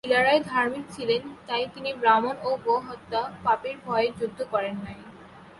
চিলারায় ধার্মিক ছিলেন তাই তিনি ব্রাহ্মণ ও গো-হত্যা পাপের ভয়ে যুদ্ধ করেন নাই।